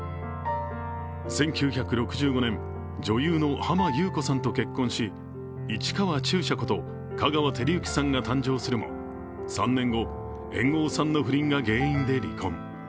１９６５年、女優の浜木綿子さんと結婚し、市川中車こと香川照之さんが誕生するも、３年後、猿翁さんの不倫が原因で離婚。